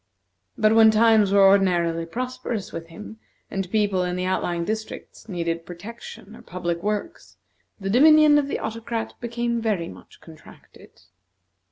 But when times were ordinarily prosperous with him, and people in the outlying districts needed protection or public works, the dominion of the Autocrat became very much contracted.